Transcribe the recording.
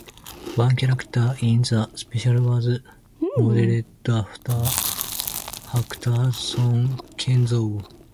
One character in the special was modeled after Hakuta's son, Kenzo.